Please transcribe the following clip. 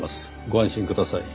ご安心ください。